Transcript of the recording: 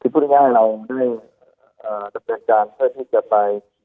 พูดง่ายเราก็ได้กระเตียงการที่จะไป